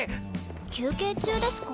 休憩中ですか？